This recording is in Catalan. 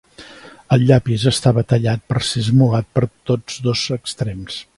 El llapis estava tallat per ser esmolat per tots dos extrems.